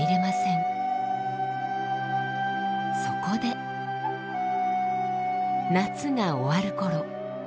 そこで夏が終わる頃一ノ